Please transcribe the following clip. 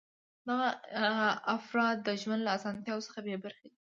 دغه افراد د ژوند له اسانتیاوو څخه بې برخې دي.